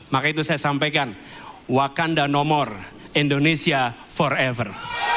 maka itu saya sampaikan wakanda no more indonesia forever